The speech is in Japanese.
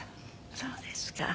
そうですか。